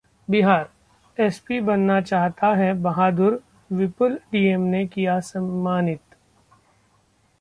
Bihar: SP बनना चाहता है बहादुर विपुल, डीएम ने किया सम्मानित